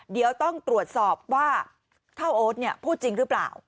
เดี๋ยวต้องตรวจสอบว่าเท่าโอ๊ตพูดจริงหรือเปล่า